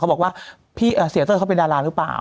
บอกว่าพี่เสียเต้ยเขาเป็นดาราหรือเปล่า